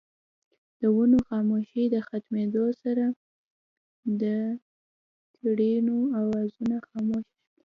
د ونو خاموشۍ د ختمېدو سره دکيرړو اوازونه خاموش شول